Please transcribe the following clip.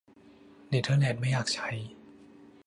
เนเธอร์แลนด์ไม่อยากใช้